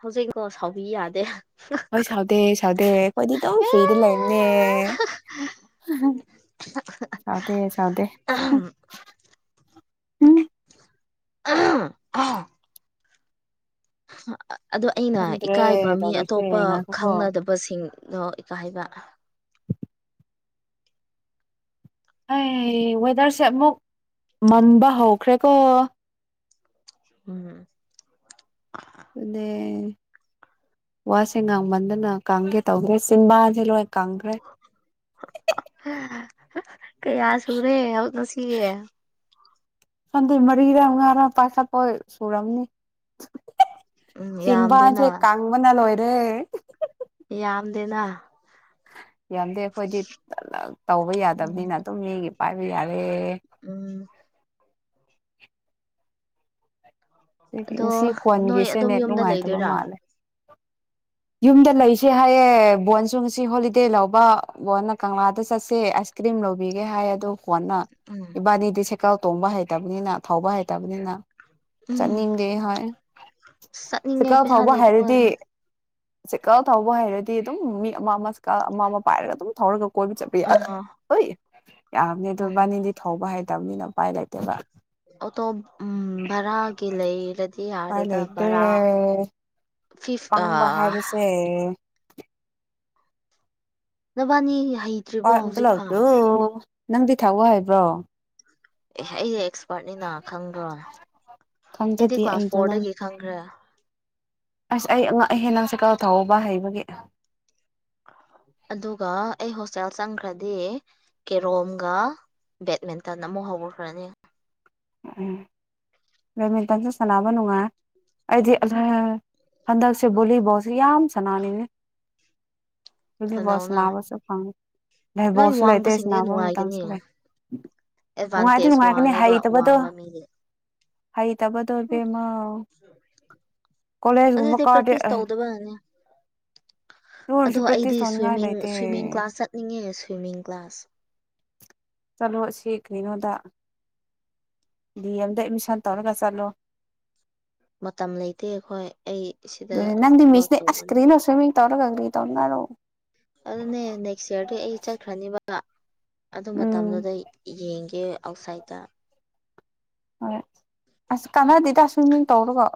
ꯍꯧꯖꯤꯛ ꯂꯣꯁ ꯍꯥꯎꯕꯤ ꯌꯥꯗꯦ ꯍꯥꯍꯥ ꯍꯣꯏ ꯁꯥꯎꯗꯦ ꯁꯥꯎꯗꯦ ꯑꯩꯈꯣꯏꯗꯤ ꯑꯗꯨꯝ ꯑꯦ ꯑꯦ ꯍꯥꯍꯥ ꯑꯍꯝ ꯆꯥꯗꯦ ꯆꯥꯗꯦ [inaudible] ꯎꯝ ꯑꯍꯝ ꯑꯥ ꯑꯗꯣ ꯑꯩꯅ ꯈꯪꯗ꯭ꯔꯦ ꯏꯀꯥꯏꯕ ꯃꯤ ꯇꯧꯔꯤꯁꯦ ꯑꯇꯣꯞꯄ ꯉꯥꯏꯈꯣꯀꯣ ꯈꯪꯅꯗꯕꯁꯤꯡ ꯑꯗꯣ ꯏꯀꯥꯢꯕ ꯑꯩ ꯋꯦꯗꯔꯁꯦ ꯑꯃꯨꯛ ꯃꯝꯕ ꯍꯧꯈ꯭ꯔꯦꯀꯣ ꯎꯝ ꯑꯗꯨꯅꯦ ꯋꯥꯁꯦ ꯉꯥꯡꯃꯟꯗꯅ ꯀꯥꯡꯒꯦ ꯇꯧꯋꯦ ꯆꯤꯝꯕꯥꯥꯟꯁꯦ ꯂꯣꯏ ꯀꯪꯈ꯭ꯔꯦ ꯢꯍꯤꯍꯤꯍꯤ ꯀꯌꯥ ꯁꯨꯔꯦ ꯉꯥꯁꯤꯒꯤ ꯈꯪꯗꯦ ꯃꯔꯤꯔ ꯃꯉꯥꯔꯥ ꯄꯥꯏꯈꯠꯄꯣꯢ ꯁꯨꯨꯔꯝꯅꯤ ꯎꯝ ꯌꯥꯝꯗꯦꯅ ꯆꯤꯟꯕꯥꯟꯁꯦ ꯀꯪꯕꯅꯥ ꯂꯣꯏꯔꯦ ꯍꯨ ꯍꯨ ꯌꯥꯝꯗꯦꯅ ꯌꯥꯝꯗꯦ ꯑꯩꯈꯣꯏꯗꯤ ꯇꯧꯕ ꯎꯝ ꯌꯥꯗꯕꯅꯤꯅ ꯑꯗꯨꯝ ꯃꯤꯒꯤ ꯄꯥꯏꯕ ꯌꯥ ꯎꯝ ꯑꯗꯣ ꯉꯁꯤ ꯅꯣꯏ ꯈꯣꯟꯒꯤꯁꯦ ꯑꯗꯨꯝ ꯅꯦꯠ ꯌꯨꯝꯗ ꯅꯨꯡꯉꯥꯏꯇꯕ ꯂꯩꯗꯣꯏꯔꯥ ꯃꯥꯜꯂꯦ ꯌꯨꯝꯗ ꯂꯩꯁꯦ ꯍꯥꯏꯌꯦ ꯕꯣꯟꯁꯨ ꯉꯁꯤ ꯍꯣꯂꯤꯗꯦ ꯂꯧꯕ ꯕꯣꯟꯅ ꯀꯪꯂꯥꯗ ꯆꯠꯁꯦ ꯑꯁ ꯀ꯭ꯔꯤꯝ ꯂꯧꯕꯤꯒꯦ ꯍꯥꯏ ꯑꯗꯣ ꯀꯣꯟꯅ ꯎꯝ ꯏꯕꯥꯅꯤꯗꯤ ꯁꯦꯀꯥꯜ ꯇꯣꯡꯕ ꯍꯩꯇꯕꯅꯤꯅ ꯊꯧꯕ ꯍꯩꯇꯕꯅꯤꯅ ꯎꯝ ꯆꯠꯅꯤꯡꯗꯦ ꯍꯣꯏ ꯆꯠꯅꯤꯡꯉꯦ ꯆꯦꯀꯥꯜ ꯄꯩꯁꯥ ꯐꯥꯑꯣꯕ ꯍꯩꯔꯗꯤ ꯂꯩꯇꯕꯅ ꯆꯦꯀꯥꯜ ꯊꯧꯕ ꯍꯩꯔꯗꯤ ꯑꯗꯨꯝ ꯃꯤ ꯑꯃ ꯑꯃ ꯆꯦꯀꯜ ꯑꯃ ꯑꯃ ꯄꯥꯏꯔꯒ ꯑꯗꯨꯝ ꯊꯧꯔꯒ ꯀꯣꯏꯕ ꯆꯠꯄ ꯌꯥ ꯑ ꯑꯣꯢ ꯌꯥꯕꯅꯦ ꯑꯗꯣ ꯎꯝ ꯢꯕꯥꯅꯤꯗꯤ ꯊꯧꯕ ꯍꯩꯇꯕꯅꯤꯅ ꯎꯄꯥꯏ ꯂꯩꯇꯦꯕ ꯑꯣꯇꯣꯞ ꯎꯝ ꯕꯥꯔ ꯀꯤ ꯂꯩꯔꯗꯤ ꯎꯄꯥꯏ ꯍꯥꯔꯦꯗ ꯂꯩꯇꯦ ꯕꯔꯥ ꯐꯤꯐ ꯄꯪꯕ ꯑꯥ ꯍꯥꯏꯕꯁꯦ ꯅꯕꯥꯅꯤ ꯌꯥ ꯄꯥꯠ ꯑꯝꯇ ꯂꯥꯎꯇꯨ ꯅꯪꯗꯤ ꯊꯧꯕ ꯍꯩꯕ꯭ꯔꯣ ꯑꯦ ꯑꯩꯁꯦ ꯑꯦꯛꯁꯄꯥꯔꯠꯅꯦꯅ ꯈꯪꯗ꯭ꯔꯣ ꯑꯩꯗꯤ ꯈꯪꯖꯗꯦ ꯀ꯭ꯂꯥꯁ ꯑꯩꯗꯣ ꯅꯪ ꯐꯣꯔꯗꯒꯤ ꯈꯪꯒ꯭ꯔꯦ ꯑꯁ ꯑꯩ ꯑꯉꯛ ꯑꯍꯦ ꯅꯪ ꯁꯥꯏꯀꯜ ꯊꯧꯕ ꯍꯩꯕꯒꯤ ꯑꯗꯨꯒ ꯑꯩ ꯍꯣꯁ ꯆꯦꯜ ꯆꯪꯈ꯭ꯔꯗꯤ ꯀꯦꯔꯣꯝꯒ ꯕꯦꯠꯃꯦꯟꯇꯟ ꯑꯃꯨꯛ ꯍꯧꯈ꯭ꯔꯅꯤ ꯎꯝ ꯕꯦꯗꯃꯤꯟꯇꯟꯁꯨ ꯁꯥꯟꯅꯕ ꯅꯨꯡꯉꯥ ꯑꯩꯗꯤ ꯑꯍꯦ ꯍꯟꯗꯛꯁꯦ ꯕꯣꯂꯤꯕꯣꯜꯁꯦ ꯌꯥꯝ ꯁꯅꯥꯅꯤꯡꯉꯦ ꯕꯣꯂꯤꯕꯣꯜ ꯊꯅꯧꯅ ꯁꯅꯥꯕꯁꯨ ꯐꯪ ꯅꯣꯏ ꯗꯦꯕꯣꯜꯁꯨ ꯂꯩꯇꯦ ꯋꯥꯡꯕꯁꯤꯡꯗꯤ ꯁꯅꯥꯕ ꯅꯨꯡꯉꯥꯏꯒꯅꯤ ꯃꯇꯝꯁꯨ ꯂꯩ ꯅꯨꯡꯉꯥꯏꯗꯤ ꯑꯦꯗꯚꯥꯟꯇꯦꯖ ꯅꯨꯡꯉꯥꯏꯒꯅꯤ ꯋꯥꯡꯉꯦꯕ ꯍꯩꯇ ꯋꯥꯡꯕ ꯃꯤꯗꯤ ꯍꯩꯇꯥꯕꯗꯣ ꯢꯕꯦꯝꯃꯥꯎ ꯀꯣꯂꯦꯖꯒꯨꯝꯕ ꯑꯗꯨꯗꯤ ꯀꯥꯗꯦ ꯄ꯭ꯔꯦꯛꯇꯤꯁ ꯇꯧꯗꯕꯅꯅꯦ ꯑꯗꯣ ꯑꯩꯗꯤ ꯁ꯭ꯋꯤꯃꯤꯡ ꯁ꯭ꯋꯤꯃꯤꯡ ꯀ꯭ꯂꯥꯁ ꯆꯠꯅꯤꯡꯉꯦ ꯁ꯭ꯋꯤꯃꯤꯡ ꯀ꯭ꯂꯥꯁ ꯆꯠꯂꯣ ꯑꯁꯤ ꯀꯩꯅꯣꯗ ꯗꯤ ꯑꯦꯝꯗ ꯑꯦꯠꯃꯤꯁꯟ ꯇꯧꯔꯒ ꯆꯠꯂꯣ ꯃꯇꯝ ꯂꯩꯇꯦ ꯑꯩꯈꯣꯏ ꯑꯩ ꯁꯤꯗ ꯑꯗꯨꯅꯦ ꯊꯕꯛ ꯇꯧꯕꯅꯤꯅ ꯀꯦ ꯇꯧꯅꯔꯣ ꯑꯗꯨꯅꯦ ꯅꯦꯛꯁ ꯏꯌꯥꯔꯗꯤ ꯑꯩ ꯆꯠꯈ꯭ꯔꯅꯤꯕ ꯑꯗꯨ ꯎꯝ ꯃꯇꯝꯗꯨꯗ ꯌꯦꯡꯒꯦ ꯑꯥꯎꯠꯁꯥꯏꯗꯇ ꯍꯣꯏ ꯑꯁ ꯀꯥꯟꯅꯗꯦꯗ ꯁ꯭ꯋꯤꯃꯤꯡ ꯇꯧꯔꯒ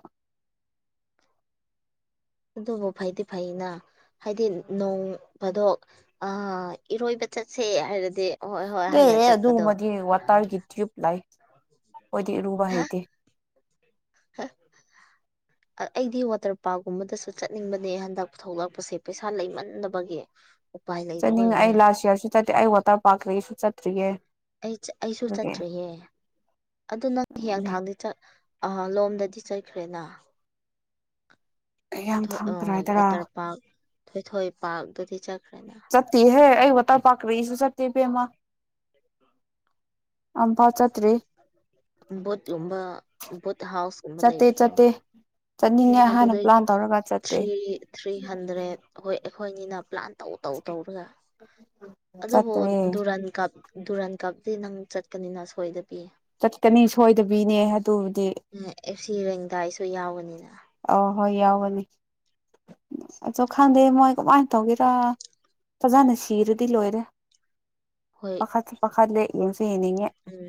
ꯑꯗꯨꯕꯨ ꯐꯩꯗꯤ ꯐꯩꯩꯅ ꯍꯥꯏꯗꯤ ꯅꯣꯡꯐꯗꯣꯛ ꯑꯥ ꯏꯔꯣꯏꯕ ꯆꯠꯁꯦ ꯍꯥꯏꯔ ꯑꯦ ꯑꯦ ꯑꯗꯨꯨꯝꯕꯗꯤ ꯅꯨꯡꯉꯥꯏꯅ ꯋꯥꯇꯔꯒꯤ ꯇ꯭ꯌꯨꯞ ꯂꯩ ꯑꯣꯏꯗꯤ ꯏꯔꯨꯕ ꯍꯩꯇꯦ ꯍꯥ ꯑꯩꯗꯤ ꯋꯥꯇꯔ ꯄꯥꯔꯛꯀꯨꯝꯕꯗꯁꯨ ꯆꯠꯅꯤꯡꯕꯅꯦ ꯍꯟꯗꯛ ꯊꯣꯛꯂꯛꯄꯁꯦ ꯄꯩꯁꯥ ꯂꯩꯃꯟꯗꯕꯒꯤ ꯎꯄꯥꯏ ꯆꯠꯅꯤꯡꯉ ꯂꯩꯇꯕꯒꯤꯅꯦ ꯑꯩ ꯂꯥꯁ ꯌꯔꯁꯨ ꯆꯠꯇꯦ ꯑꯩ ꯋꯥꯇꯔ ꯄꯥꯔꯛ ꯀꯔꯤꯁꯨ ꯆꯠꯇ꯭ꯔꯤꯌꯦ ꯑꯩ ꯑꯩꯁꯨ ꯑꯗꯨꯒꯤ ꯆꯠꯇ꯭ꯔꯤꯌꯦ ꯑꯗꯨ ꯅꯪ ꯑꯗꯨꯅꯦ ꯍꯤꯌꯥꯡꯊꯥꯡꯗꯤ ꯆꯠ ꯑ ꯂꯣꯝꯗꯗꯤ ꯆꯠꯈ꯭ꯔꯦꯅ ꯀꯌꯥꯝ ꯊꯥꯡ ꯑ ꯀꯔꯥꯏꯗꯔꯥ ꯋꯥꯇꯔ ꯄꯥꯔꯛ ꯊꯣꯏꯊꯣꯏ ꯄꯥꯔꯛ ꯑꯗꯨꯗꯤ ꯆꯠꯈ꯭ꯔꯦꯅ ꯆꯠꯇꯦꯍꯦ ꯑꯩ ꯋꯥꯇꯔ ꯄꯥꯛ ꯀ꯭ꯔꯤꯁꯨ ꯆꯠꯇꯦ ꯏꯕꯦꯝꯃ ꯑꯝꯄꯥꯎ ꯆꯠꯇ꯭ꯔꯤ ꯕꯣꯠꯀꯨꯝꯕ ꯕꯨꯠ ꯍꯥꯎꯁꯀꯨꯝꯕ ꯆꯠꯇꯦ ꯂꯩꯕꯗꯣ ꯆꯠꯇꯦ ꯆꯠꯅꯤꯡꯉꯦ ꯍꯥꯏꯅ ꯑꯗꯨꯗꯩ ꯄ꯭ꯂꯥꯟ ꯇꯧꯔꯒ ꯆꯠꯇꯦ ꯊ꯭ꯔꯤ ꯊ꯭ꯔꯤ ꯍꯟꯗ꯭ꯔꯦꯠ ꯑꯩꯈꯣꯏ ꯑꯩꯈꯣꯏꯅꯤꯅ ꯄ꯭ꯂꯥꯟ ꯇꯧ ꯇꯧ ꯇꯧꯔꯒ ꯑꯗꯨꯕꯨ ꯆꯠꯇ꯭ꯔꯦ ꯗꯨꯔꯥꯟ ꯀꯞ ꯗꯨꯔꯥꯟ ꯀꯞꯇꯗꯤ ꯅꯪ ꯆꯠꯀꯅꯤꯅ ꯁꯣꯏꯗꯕꯤ ꯆꯠꯀꯅꯤ ꯁꯣꯏꯗꯕꯤꯅꯦ ꯑꯗꯨꯕꯨꯗꯤ ꯑꯦꯐ ꯁꯤ ꯔꯦꯡꯗꯥꯏꯁꯨ ꯌꯥꯎꯒꯅꯤꯅ ꯑ ꯍꯣꯏ ꯌꯥꯎꯒꯅꯤ ꯑꯆꯨ ꯈꯪꯗꯦ ꯃꯣꯏ ꯀꯃꯥꯏ ꯇꯧꯒꯦꯔ ꯐꯖꯟꯅ ꯁꯤꯔꯗꯤ ꯂꯣꯏꯔꯦ ꯍꯣꯏ ꯄꯥꯈꯠ ꯄꯥꯈꯠꯂꯦ ꯌꯦꯡꯅꯤꯡꯉꯦ ꯎꯝ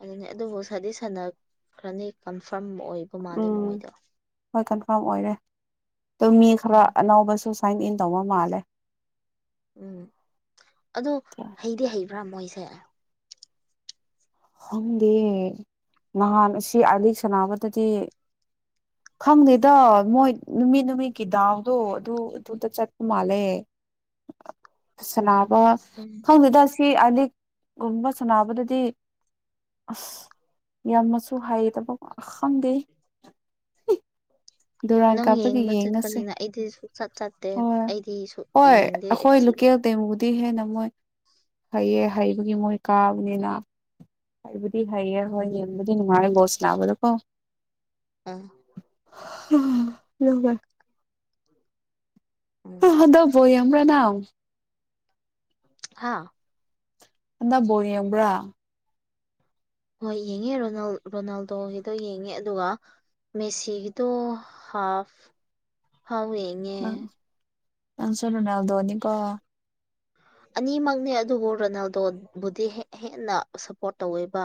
ꯑꯗꯨꯅꯤ ꯑꯗꯨꯕꯨ ꯁꯥꯗꯤ ꯁꯥꯟꯅꯈ꯭ꯔꯅꯤ ꯀꯟꯐꯥꯔꯝ ꯑꯣꯏꯕ ꯃꯥꯜꯂꯦ ꯎꯝ ꯃꯣꯏꯗꯣ ꯍꯣꯏ ꯀꯟꯐꯥꯔꯝ ꯑꯣꯏꯔꯦ ꯑꯗꯨ ꯃꯤ ꯈꯔ ꯎꯝ ꯑꯅꯧꯕꯁꯨ ꯁꯥꯏꯟ ꯏꯟ ꯇꯧꯕ ꯃꯥꯜꯂꯦ ꯎꯝ ꯑꯗꯣ ꯍꯩꯗꯤ ꯍꯩꯕ꯭ꯔ ꯃꯣꯏꯁꯦ ꯈꯪꯗꯦ ꯅꯍꯥꯟ ꯑꯁꯤ ꯑꯥꯏꯂꯤꯛ ꯁꯥꯟꯅꯕꯗꯗꯤ [inaudible] ꯈꯪꯗꯦꯗ ꯃꯣꯏ ꯅꯨꯃꯤꯠ ꯅꯨꯃꯤꯠꯀꯤ ꯗꯥꯎꯗꯣ ꯑꯗꯨ ꯑꯗꯨꯗ ꯆꯠꯄ ꯃꯥꯜꯂꯦ ꯁꯅꯥ ꯑ ꯎꯝ ꯈꯪꯗꯦꯗ ꯁꯤ ꯑꯥꯏꯂꯤꯛꯀꯨꯝꯕ ꯁꯥꯟꯅꯕꯗꯗꯤ ꯑꯁ ꯌꯥꯝꯅꯁꯨ ꯍꯥꯏꯇꯕ ꯑ ꯈꯪꯗꯦ ꯗꯨꯨꯔꯥꯟ ꯅꯪ ꯀꯥꯞꯇꯗꯤ ꯌꯦꯡꯕ ꯌꯦꯡꯉꯁꯦ ꯆꯠꯄꯅꯤꯅ ꯑꯩꯗꯤ ꯁꯨꯡꯆꯠ ꯆꯠꯇꯦ ꯍꯣꯏ ꯑꯩꯗꯤ ꯁꯨ ꯍꯣꯏ ꯌꯦꯡꯗꯦ ꯑꯦꯞ ꯁꯤ ꯑꯩꯈꯣꯏ [unintelligible] ꯃꯨꯗꯤ ꯍꯦꯅ ꯃꯣꯏ ꯍꯩꯌꯦ ꯍꯩꯕꯒꯤ ꯃꯣꯏ ꯀꯥꯕꯅꯤꯅ ꯍꯥꯢꯕ ꯗꯤ ꯍꯩꯌꯦ ꯎꯝ ꯍꯣꯏ ꯌꯦꯡꯕꯨꯗꯤ ꯅꯨꯡꯉꯥꯏꯔꯦ ꯕꯣꯜ ꯁꯤꯅꯕꯗꯣꯀꯣ ꯑꯥ [inaudible] ꯎꯝ ꯑꯗꯣ ꯕꯣꯜ ꯌꯦꯡꯕ꯭ꯔ ꯅꯪ ꯍꯥꯥ ꯍꯟꯗꯛ ꯕꯣꯜ ꯌꯦꯡꯕ꯭ꯔꯥ ꯍꯣꯏ ꯌꯦꯡꯉꯦ ꯔꯣꯅꯥ ꯔꯣꯅꯥꯜꯗꯣꯒꯤꯗꯣ ꯌꯦꯡꯉꯦ ꯑꯗꯨꯒ ꯃꯦꯁꯤꯒꯤꯗꯣ ꯍꯥꯞ ꯐꯥꯎ ꯌꯦꯡꯉꯦ ꯅꯪ ꯅꯪꯁꯨ ꯔꯣꯅꯥꯜꯗꯣꯅꯤ ꯀꯣ ꯑꯅꯤꯃꯛꯅꯦ ꯑꯗꯨꯕꯨ ꯔꯣꯅꯥꯜꯗꯣ ꯕꯨꯗꯤ ꯍꯦꯟꯅ ꯁꯞꯄꯣꯔꯠ ꯇꯧꯋꯦꯕ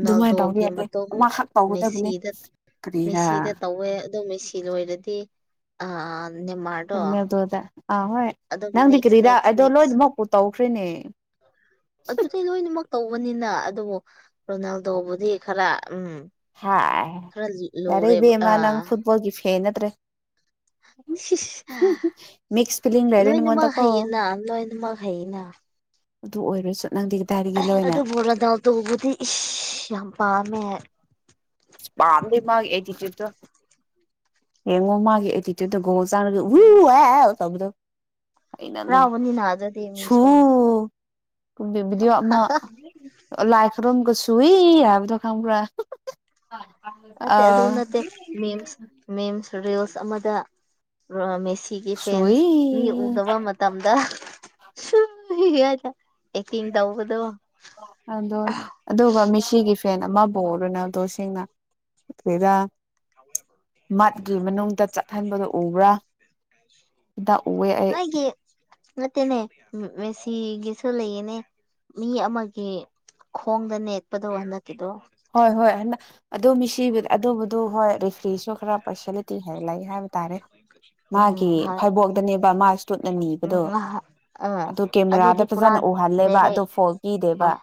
ꯑꯗꯨꯃꯥꯏꯅ ꯇꯧꯕ ꯌꯥꯗꯦ ꯃꯇꯨꯡ ꯑꯃꯈꯛ ꯇꯧꯒꯗꯕꯅꯦ ꯃꯦꯁꯤꯗ ꯀꯔꯤꯔꯥ ꯃꯦꯁꯤꯗ ꯇꯧꯋꯦ ꯑꯗꯨ ꯃꯦꯁꯤ ꯑꯣꯏꯔꯗꯤ ꯑꯥ ꯅꯦꯃꯥꯔꯗꯣ ꯔꯣꯅꯥꯜꯗꯣꯗ ꯑꯥ ꯍꯣꯏ ꯑꯗꯨꯝ ꯅꯪꯗꯤ ꯅꯦꯛꯁ ꯀ꯭ꯔꯤꯔ ꯅꯦꯛꯁ ꯑꯗꯣ ꯅꯦꯛꯁ ꯂꯣꯏꯅꯃꯛꯄꯨ ꯇꯧꯈ꯭ꯔꯦꯅꯦ ꯑꯗꯨꯗꯤ ꯂꯣꯏꯅꯃꯛ ꯇꯧꯕꯅꯤꯅ ꯑꯗꯨꯕꯨ ꯔꯣꯅꯥꯜꯗꯣꯕꯨꯗꯤ ꯈꯔ ꯎꯝ ꯍꯥꯏ ꯈꯔ ꯌꯥꯔꯦ ꯂꯨꯔꯦꯕ ꯏꯕꯦꯝꯃ ꯅꯪ ꯑꯥ ꯐꯨꯠꯕꯣꯜꯒꯤ ꯐꯦꯟ ꯅꯠꯇ꯭ꯔꯦ ꯁꯤꯁ ꯃꯤꯛꯁ ꯐꯤꯂꯤꯡ [inaudible] ꯂꯩꯔꯦ ꯂꯣꯏꯅꯃꯛ ꯅꯉꯣꯟꯗꯀꯣ ꯍꯩꯌꯦꯅ ꯂꯣꯏꯅꯃꯛ ꯍꯩꯌꯦꯅ ꯑꯗꯨ ꯑꯣꯏꯔꯁꯨ ꯅꯪꯗꯤ ꯀꯗꯥꯏꯗꯒꯤ ꯂꯣꯏꯅ ꯑꯗꯨꯕꯨ ꯔꯣꯅꯥꯜꯗꯣꯕꯨꯗꯤ ꯌꯥꯝ ꯄꯥꯝꯃꯦ ꯄꯥꯝꯗꯦ ꯃꯥꯒꯤ ꯑꯦꯇꯤꯆ꯭ꯌꯨꯠꯇꯣ ꯌꯦꯡꯉꯣ ꯃꯥꯒꯤ ꯑꯦꯇꯤꯆꯨꯠ ꯒꯣꯜ ꯆꯜꯂꯗꯤ ꯎ ꯑꯍ ꯇꯧꯕꯗꯣ ꯍꯩꯅꯗꯦ ꯍꯔꯥꯎꯕꯅꯤꯅ ꯑꯗꯨꯗꯤ ꯁꯨ ꯃꯤꯁꯨ ꯀꯥꯝꯕꯩ ꯕꯤꯗꯣ ꯑꯃ ꯂꯥꯏꯀ ꯔꯣꯝꯒꯤ ꯁ꯭ꯨꯋꯏ ꯍꯥꯏꯕꯗ ꯈꯪꯕ꯭ꯔ ꯅꯠꯇꯦ ꯑꯗꯨ ꯅꯠꯇꯦ ꯃꯤꯝꯁ ꯃꯤꯝꯁ ꯔꯤꯜꯁ ꯑꯃꯗ ꯔꯣꯅꯥꯜꯗꯣ ꯃꯦꯁꯤ ꯁꯤꯒꯤ ꯁꯨꯏ ꯐꯦꯟꯁ ꯃꯤ ꯎꯅꯕ ꯃꯇꯝꯗ ꯁꯨ ꯍꯥꯏ ꯑꯗꯣ ꯑꯗꯨꯒ ꯃꯦꯁꯤꯒꯤ ꯐꯦꯟ ꯑꯃꯕꯨ ꯔꯣꯅꯥꯜꯗꯣꯁꯦ ꯀꯔꯤꯔ ꯃꯠꯀꯤ ꯃꯅꯨꯡꯗ ꯆꯠꯍꯟꯕꯗꯨ ꯎꯕ꯭ꯔꯥ ꯗ ꯎꯋꯦ ꯑꯩ ꯅꯣꯏꯒꯤ ꯅꯠꯇꯦꯅꯦ ꯃꯦꯁꯤ ꯒꯤꯁꯨ ꯂꯩꯌꯦꯅꯦ ꯃꯤ ꯑꯃꯒꯤ ꯈꯣꯡꯗ ꯅꯦꯠꯄꯗꯣ ꯍꯟꯗꯛꯀꯤꯗꯣ ꯍꯣꯏ ꯍꯣꯏ ꯑꯗꯨ ꯃꯤꯁꯤꯕꯨ ꯑꯗꯨꯕꯨꯗꯨ ꯍꯣꯏ ꯔꯦꯐ꯭ꯔꯤꯁꯨ ꯈꯔ ꯄꯥꯔꯁꯦꯂꯤꯇꯤ ꯂꯩ ꯍꯥꯏꯕ ꯇꯥꯔꯦ ꯎꯝ ꯃꯥꯒꯤ ꯍꯣꯏ ꯐꯩꯕꯣꯛꯇꯅꯦꯕ ꯃꯥ ꯏꯁꯇꯨꯠꯅ ꯎꯝ ꯅꯤꯕꯗꯣ ꯑꯥ ꯑꯗꯨ ꯀꯦꯃꯦꯔꯥꯗ ꯑꯗꯨꯗꯤ ꯐꯖꯅ ꯄꯨꯔꯥ ꯎꯍꯜꯂꯦꯕ ꯗꯥꯏꯔꯦꯛ ꯑꯗꯨ ꯐꯣꯜ ꯄꯤꯗꯦꯕ ꯍꯣꯏ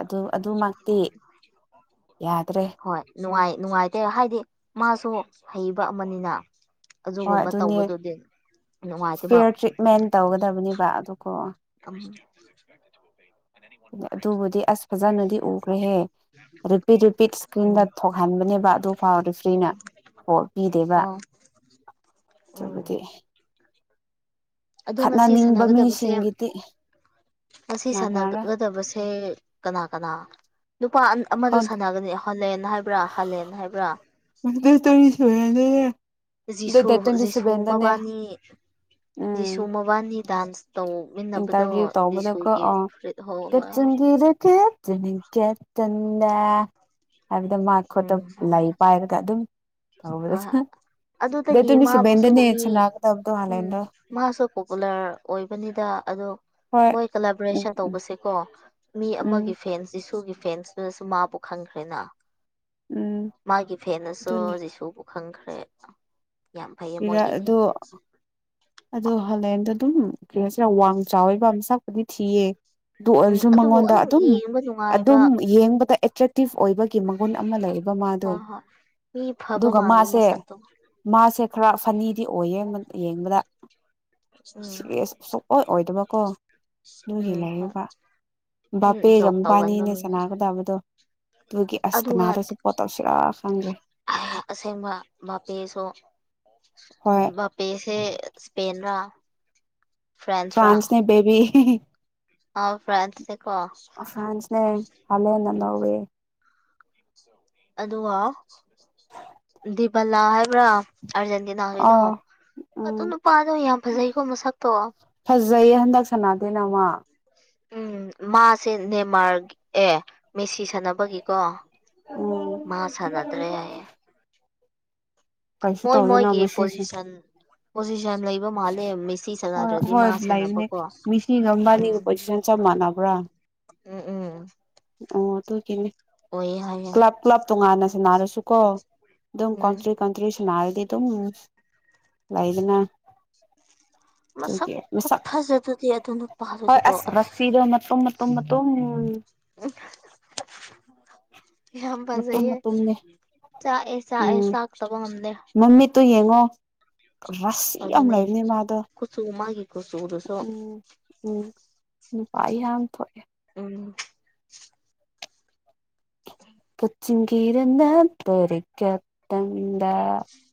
ꯑꯗꯨ ꯑꯗꯨꯃꯛꯇꯤ ꯌꯥꯗ꯭ꯔꯦ ꯍꯣꯏ ꯅꯨꯡꯉꯥꯏ ꯅꯨꯡꯉꯥꯏꯇꯦ ꯍꯥꯏꯗꯤ ꯃꯥꯁꯨ ꯍꯩꯕ ꯑꯃꯅꯤꯅ ꯍꯣꯏ ꯑꯗꯨꯒꯨꯝꯕ ꯑꯗꯨꯅꯦ ꯇꯧꯕꯗꯨꯗꯤ ꯅꯨꯡꯉꯥꯏꯇꯦꯕ ꯐꯤꯌꯔ ꯇ꯭ꯔꯤꯠꯃꯦꯟ ꯇꯧꯒꯗꯕꯅꯦꯕ ꯑꯗꯨꯀꯣ ꯀꯝ ꯑꯗꯨꯕꯨꯗꯤ ꯑꯁ ꯐꯖꯅꯗꯤ ꯎꯈ꯭ꯔꯦꯍꯦ ꯔꯤꯄꯤꯠ ꯔꯤꯄꯤꯠ ꯏꯁꯀ꯭ꯔꯤꯟꯗ ꯎꯝ ꯊꯣꯛꯍꯟꯕꯅꯦꯕ ꯑꯗꯨ ꯐꯥꯎ ꯔꯦꯐ꯭ꯔꯤꯅ ꯑꯣ ꯄꯤꯗꯦꯕ ꯑꯥ ꯎꯝ ꯑꯗꯨꯕꯨꯗꯤ ꯑꯗꯣ ꯉꯁꯤ ꯈꯠꯅꯅꯤꯡꯕ ꯁꯥꯟꯅꯒꯗꯕꯁꯦ ꯃꯤꯁꯤꯡꯒꯤꯗꯤ ꯉꯁꯤ ꯂꯥꯛꯅꯔ ꯁꯥꯟꯅꯒꯗꯕꯁꯦ ꯀꯅꯥ ꯀꯅꯥ ꯅꯨꯄꯥ ꯑꯃꯗ ꯁꯥꯟꯅꯒꯅꯤ ꯍꯣꯂꯦꯟ ꯍꯥꯏꯕ꯭ꯔꯥ ꯍꯥꯂꯦꯟ ꯍꯥꯏꯕ꯭ꯔꯥ ꯇꯔꯤꯁꯨꯅꯦ ꯨꯖꯤꯁꯨ ꯃꯕꯥꯅꯤ ꯎꯝ ꯖꯤꯁꯨ ꯃꯕꯥꯅꯤ ꯗꯥꯥꯟꯁ ꯏꯟꯇꯔꯚꯤꯌꯨ ꯇꯧꯕꯗꯀꯣ ꯐꯨꯔꯤꯠ ꯍꯣ ꯅꯦ ꯍꯥꯏꯕꯗꯣ ꯃꯥ ꯈꯣꯠꯇ ꯂꯩ ꯄꯥꯏꯔꯒ ꯑꯗꯨꯝ ꯇꯧꯕꯗ ꯑꯥ ꯗꯦꯠ ꯑꯗꯨꯗꯒꯤ ꯇ꯭ꯋꯦꯟꯇꯤ ꯃꯥꯕꯨꯁꯨ ꯁꯚꯦꯟꯗꯅꯦ ꯃꯤ ꯁꯥꯟꯅꯒꯗꯕꯗꯣ ꯎꯝ ꯍꯥꯂꯦꯟꯗꯣ ꯃꯥꯁꯨ ꯄꯣꯄꯨꯂꯔ ꯑꯣꯏꯕꯅꯤꯗ ꯑꯗꯣ ꯍꯣꯏ ꯃꯣꯏ ꯎꯝ ꯎꯝ ꯀꯂꯥꯕꯣꯔꯦꯁꯟ ꯇꯧꯕꯁꯦꯀꯣ ꯃꯤ ꯑꯃꯒꯤ ꯎꯝ ꯐꯦꯟꯁꯤ ꯁꯨꯒꯤ ꯐꯦꯟꯁꯨ ꯃꯥꯕꯨ ꯈꯪꯈ꯭ꯔꯦꯅ ꯎꯝ ꯃꯥꯒꯤ ꯐꯦꯟꯅꯁꯨ ꯑꯗꯨꯅꯤ ꯖꯤꯁꯨꯕꯨ ꯈꯪꯈ꯭ꯔꯦ ꯌꯥꯝ ꯐꯩꯌꯦ ꯏꯔꯥ ꯃꯣꯏꯒꯤꯗꯤ ꯑꯗꯣ ꯑꯗꯨ ꯍꯂꯦꯟꯗꯨꯅ ꯑꯗꯨꯝ ꯀꯩꯅꯣꯁꯤꯅ ꯋꯥꯡ ꯆꯥꯎꯋꯦꯕ ꯃꯥꯁꯛꯄꯨꯗꯤ ꯊꯤꯌꯦ ꯑꯗꯨ ꯎꯝ ꯑꯣꯏꯔꯁꯨ ꯑꯗꯨꯕꯨ ꯃꯉꯣꯟꯗ ꯑꯗꯨꯝ ꯌꯦꯡꯕ ꯅꯨꯡꯉꯥꯏꯕ ꯑꯗꯨꯝ ꯌꯦꯡꯕꯗ ꯑꯦꯇ꯭ꯔꯦꯛꯇꯤꯞ ꯑꯣꯏꯕꯒꯤ ꯃꯒꯨꯟ ꯑꯃ ꯂꯩꯌꯦꯕ ꯍꯣ ꯃꯥꯗꯣ ꯍꯣꯢ ꯃꯤ ꯐꯕ ꯑꯗꯨꯒ ꯃꯥꯂꯦ ꯃꯥꯁꯦ ꯃꯁꯛꯇꯣ ꯃꯥꯁꯦ ꯈꯔ ꯐꯅꯤꯗꯤ ꯑꯣꯏ ꯌꯦꯡꯕ ꯌꯦꯡꯕꯗ ꯎꯝ ꯁꯤꯔꯦꯁ ꯁꯨꯡꯑꯣꯏ ꯑꯣꯏꯗꯕꯀꯣ ꯑꯗꯨꯒꯤ ꯎꯝ ꯍꯣꯏ ꯂꯩꯔꯤꯕ ꯎꯝ ꯕꯥꯄꯦꯒ ꯖꯣꯛ ꯇꯧꯒꯟꯕ ꯃꯥꯕꯅꯤꯖ ꯃꯤ ꯁꯥꯟꯅꯒꯗꯕꯗꯣ ꯑꯗꯨꯒꯤ ꯑꯁ ꯑꯗꯨꯒ ꯀꯅꯥꯗ ꯁꯞꯄꯣꯔꯠ ꯇꯧꯁꯤꯔꯥ ꯈꯪꯗꯦ ꯑꯁꯦꯡꯕ ꯕꯥꯄꯤꯁꯨ ꯍꯣꯏ ꯕꯄꯦꯁꯦ ꯏꯁꯄꯦꯟ ꯔꯥ ꯐ꯭ꯔꯥꯟꯁꯅꯦ ꯕꯦꯕꯤ ꯑꯥ ꯐ꯭ꯔꯥꯟꯁꯁꯦꯀꯣ ꯐ꯭ꯔꯥꯟꯁꯅꯦ ꯍꯂꯦꯟꯅ ꯂꯧꯋꯦ ꯑꯗꯨꯒ ꯗꯤꯕꯂꯥ ꯍꯥꯏꯕ꯭ꯔꯥ ꯑꯔꯖꯦꯟꯇꯤꯅꯥ ꯀꯤꯗꯣ ꯑꯥ ꯑꯇꯨ ꯎꯝ ꯅꯨꯄꯥꯗꯣ ꯌꯥꯝ ꯐꯖꯩꯀꯣ ꯃꯁꯛꯇꯣ ꯐꯖꯩꯌꯦ ꯍꯟꯗꯛ ꯁꯅꯥꯗꯦꯅ ꯃꯥ ꯎꯝ ꯃꯥꯁꯦ ꯅꯦꯃꯥꯔ ꯑꯦ ꯃꯦꯁꯤ ꯁꯥꯟꯅꯕꯒꯤꯀꯣ ꯎꯝ ꯃꯥ ꯁꯥꯅꯗ꯭ꯔꯦ ꯍꯥꯏꯌꯦ ꯀꯩꯁꯨ ꯃꯣꯏ ꯇꯧꯗꯦꯅ ꯃꯣꯏꯒꯤ ꯃꯤꯁꯤꯁꯦ ꯄꯣꯖꯤꯁꯟ ꯄꯣꯖꯤꯁꯟ ꯂꯩꯕ ꯃꯥꯜꯂꯦ ꯃꯦꯁꯤ ꯍꯣꯏ ꯁꯥꯟꯅꯗ꯭ꯔꯗꯤ ꯍꯣꯏ ꯃꯥ ꯂꯩꯕꯅꯦ ꯁꯥꯟꯅꯕꯀꯣ ꯃꯤꯁꯤꯒ ꯎꯝ ꯃꯕꯥꯅꯤꯒ ꯄꯣꯖꯤꯁꯟ ꯆꯞ ꯃꯥꯟꯅꯕ꯭ꯔꯥ ꯎꯝ ꯎꯝ ꯑꯣ ꯑꯗꯨꯒꯤꯅꯦ ꯑꯣꯏꯌꯦ ꯍꯥꯏꯌꯦ ꯀ꯭ꯂꯕ ꯀ꯭ꯂꯕ ꯇꯣꯉꯥꯟꯅ ꯁꯟꯅꯔꯁꯨꯀꯣ ꯑꯗꯨꯝ ꯎꯝ ꯀꯣꯟꯇ꯭ꯔꯦꯛ ꯅꯔꯥꯗꯤꯗꯨꯝ ꯂꯩꯗꯅꯥ [inaudible] ꯃꯁꯛ ꯈꯨꯐꯖꯗꯨꯗꯤ ꯑꯗꯨ ꯍꯣꯏ ꯅꯨꯄꯗꯨꯗꯤꯀꯣ ꯑꯁ ꯔꯁꯤꯗꯣ ꯃꯇꯨꯝ ꯃꯇꯨꯝ ꯃꯇꯨꯝ ꯎ ꯌꯥꯝ ꯃꯇꯨꯝ ꯐꯖꯩꯌꯦ ꯃꯇꯨꯝꯅꯦ ꯆꯥꯛꯑꯦ ꯆꯥꯛꯑꯦ ꯆꯥꯛꯇꯕ ꯉꯝꯗꯦ ꯃꯃꯤꯠꯇꯨ ꯌꯦꯡꯉꯣ ꯔꯁꯤ ꯌꯥꯝ ꯑꯗꯨꯅꯦ ꯂꯩꯕꯅꯦ ꯃꯥꯗꯣ ꯀꯨꯆꯨ ꯃꯥꯒꯤ ꯀꯨꯆꯨꯗꯨꯁꯨ ꯎꯝ ꯎꯝ ꯅꯨꯄꯥꯥ ꯌꯥꯝ ꯊꯣꯛꯑꯦ ꯎꯝ ꯀꯆꯤꯡ ꯒꯤꯔꯅ ꯇꯣꯔꯤ ꯒꯠꯇꯪꯗ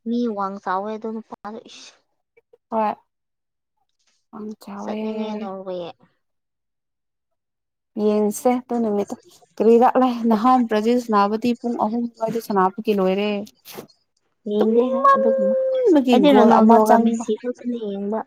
ꯃꯤ ꯋꯥꯡ ꯆꯥꯎꯋꯦ ꯑꯗꯨꯝ ꯄꯔ ꯏꯁ ꯍꯣꯏ ꯑꯝ ꯆꯥꯎꯋꯦ ꯆꯠꯅꯤꯡꯉꯦ ꯅꯣꯔꯋꯦ ꯌꯦꯡ ꯁꯦ ꯑꯗꯨ ꯅꯨꯃꯤꯠꯇꯣ ꯀꯔꯤ ꯂꯥꯛꯂ ꯅꯍꯥꯟ ꯕ꯭ꯔꯖꯤ ꯁꯅꯥꯅꯕꯗꯤ ꯄꯨꯡ ꯑꯍꯨꯝ ꯑꯗꯨꯋꯥꯏꯗ ꯁꯥꯟꯅꯕꯒꯤ ꯂꯣꯏꯔꯦ [unintelligible] ꯌꯦꯡꯗꯦ ꯍꯥꯏ ꯑꯗꯨꯒꯨꯝꯕ ꯇꯨꯝꯅꯤꯡꯃꯟꯕꯒꯤ ꯑꯩꯗꯤ ꯒꯣꯜ ꯑꯃ ꯔꯣꯅꯥꯜꯗꯣꯒ ꯆꯪꯕ ꯃꯦꯁꯤ ꯈꯠꯇꯅꯦ ꯌꯦꯡꯕ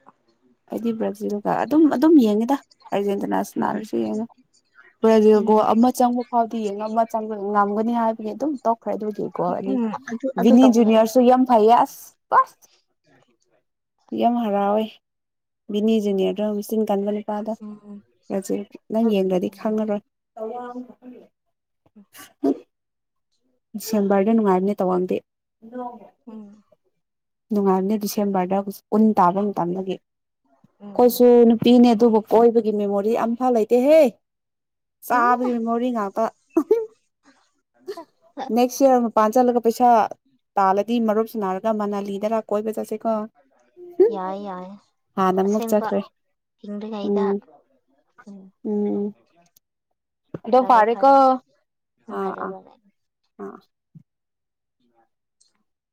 ꯑꯩꯗꯤ ꯕ꯭ꯔꯥꯖꯤꯜꯒ ꯑꯗꯨꯝ ꯑꯗꯨꯝ ꯌꯦꯡꯉꯤꯗ ꯑꯥꯔꯖꯦꯟꯇꯤꯅꯥꯁꯨꯂꯥꯛꯔꯁꯨ ꯌꯦꯡꯉꯦ [unintelligible] ꯕ꯭ꯔꯖꯤꯜ ꯒꯣꯜ ꯑꯃ ꯆꯪꯕ ꯐꯥꯎꯗꯤ ꯌꯦꯡꯉꯝꯃ ꯆꯣꯕ ꯉꯝꯒꯅꯤ ꯍꯥꯏꯕꯒꯤ ꯑꯗꯨꯝ ꯇꯣꯛꯈ꯭ꯔꯦ ꯑꯗꯨꯒꯤ ꯒꯣꯜ ꯑꯅꯤ ꯎꯝ ꯑꯗꯨ ꯑꯗꯨ ꯕꯤꯅꯤ ꯇꯧꯋꯦ ꯖꯨꯅꯤꯌꯔꯁꯨ ꯑꯩꯁꯨ ꯌꯥꯝ ꯐꯥꯏꯌꯦ ꯑꯁ ꯄꯥꯁ [inaudible] ꯕꯤꯅꯤ ꯖꯨꯅꯤꯌꯔꯗꯣ ꯎꯝ ꯃꯆꯤꯟ ꯀꯟꯕ ꯅꯨꯄꯥꯗꯣ ꯎꯝ ꯕ꯭ꯔꯖꯤꯜ ꯅꯪ ꯌꯦꯡꯗ꯭ꯔꯗꯤ ꯎꯝ ꯈꯪꯉꯔꯣꯏ ꯎꯝ ꯗꯤꯁꯦꯝꯕꯥꯔꯗ ꯅꯨꯡꯉꯥꯏꯕꯅꯦ ꯇꯧꯋꯥꯡꯗꯦ ꯎꯝ ꯅꯨꯡꯉꯥꯏꯕꯅꯦ ꯗꯤꯁꯦꯝꯕꯔꯗ ꯎꯟ ꯇꯥꯕ ꯃꯇꯝꯗꯒꯤ ꯎꯝ ꯑꯩꯈꯣꯏꯁꯨ ꯅꯨꯄꯤꯅꯦ ꯑꯗꯨꯕꯨ ꯀꯣꯏꯕꯒꯤ ꯃꯦꯃꯣꯔꯤ ꯑꯝꯐꯧ ꯂꯩꯇꯦꯍꯦ ꯎꯝ ꯆꯥꯕꯒꯤ ꯃꯦꯃꯣꯔꯤ ꯉꯥꯛꯇ ꯑꯍꯨꯝ ꯅꯦꯛꯁ ꯌꯥꯔ ꯃꯄꯥꯟ ꯆꯜꯂꯒ ꯄꯩꯁꯥ ꯇꯥꯜꯂꯗꯤ ꯃꯔꯨꯞꯁꯤ ꯅꯥꯔ ꯌꯥꯏ ꯌꯥꯏ ꯍꯥꯟꯅ ꯑꯃꯨꯛ ꯑꯁꯦꯡꯕ ꯆꯠꯈ꯭ꯔꯦ ꯍꯤꯡꯂꯤꯉꯩꯗ ꯎꯝ ꯎꯝ ꯎꯝ ꯑꯗꯣ ꯐꯔꯦ ꯐꯔꯦꯀꯣ ꯐꯔꯦ ꯎꯝ ꯑꯥ ꯐꯔꯦ ꯑꯥ ꯐꯔꯦ ꯑꯥ [unintelligible]